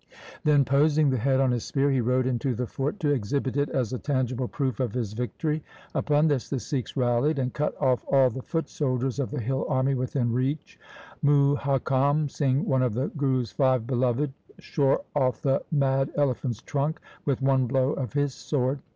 Then poising the head on his spear, he rode into the fort to exhibit it as a tangible proof of his victory. Upon this the Sikhs rallied, and cut off all the foot soldiers of the hill army within reach. Muhakam Singh, one of the Guru's five beloved, shore off the mad elephant's trunk with one blow of his sword.